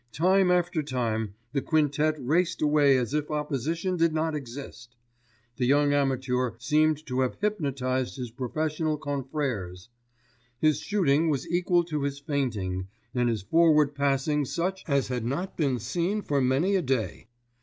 Time after time the quintette raced away as if opposition did not exist. The young amateur seemed to have hypnotised his professional confrères. His shooting was equal to his feinting, and his forward passing such as has not been seen for many a day.